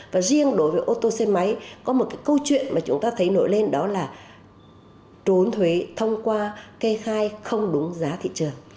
và riêng đối với ô tô xe máy có một cái câu chuyện mà chúng ta thấy nổi lên đó là trốn thuế thông qua kê khai không đúng giá thị trường